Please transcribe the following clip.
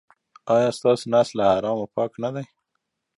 ایا ستاسو نس له حرامو پاک نه دی؟